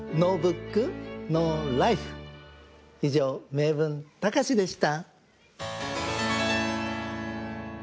「名文たかし」でした。